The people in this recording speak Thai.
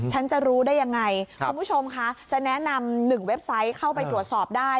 จะรู้ได้ยังไงคุณผู้ชมคะจะแนะนำ๑เว็บไซต์เข้าไปตรวจสอบได้